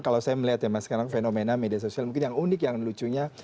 kalau saya melihat ya mas sekarang fenomena media sosial mungkin yang unik yang lucunya